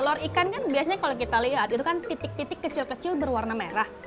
telur ikan kan biasanya kalau kita lihat itu kan titik titik kecil kecil berwarna merah